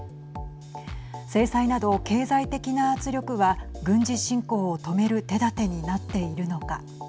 制裁など経済的な圧力は軍事侵攻を止める手だてになっているのか。